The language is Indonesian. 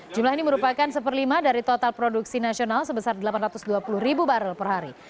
jumlah ini merupakan satu per lima dari total produksi nasional sebesar delapan ratus dua puluh ribu barrel per hari